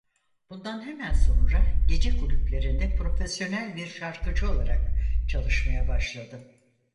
Bundan hemen sonra gece kulüplerinde profesyonel bir şarkıcı olarak çalışmaya başladı.